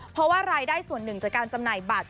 เพราะว่ารายได้ส่วนหนึ่งจากการจำหน่ายบัตร